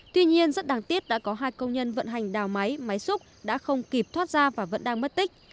tuy nhiên rất đáng tiếc đã có hai công nhân vận hành đào máy máy xúc đã không kịp thoát ra và vẫn đang mất tích